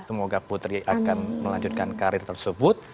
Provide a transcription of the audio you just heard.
semoga putri akan melanjutkan karir tersebut